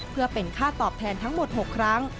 เพื่อเป็นค่าตอบแทนทั้งหมด๖ครั้ง